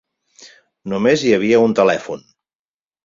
I només hi havia un telèfon.